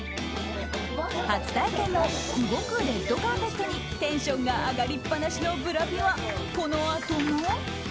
初体験の動くレッドカーペットにテンションが上がりっぱなしのブラピはこのあとも。